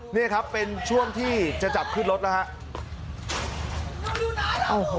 นี่ครับเป็นช่วงที่จะจับขึ้นรถแล้วครับ